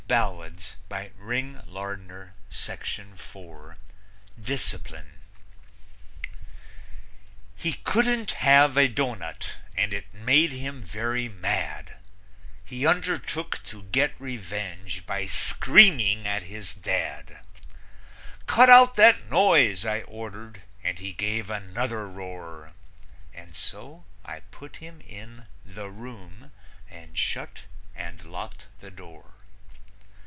DISCIPLINE He couldn't have a doughnut, and it made him very mad; He undertook to get revenge by screaming at his dad. "Cut out that noise!" I ordered, and he gave another roar, And so I put him in "the room" and shut and locked the door.